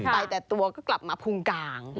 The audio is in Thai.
ไปแต่ตัวก็กลับมาพุงกลาง